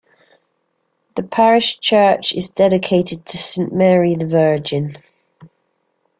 The parish church is dedicated to Saint Mary the Virgin.